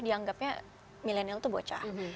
dianggapnya milenial itu bocah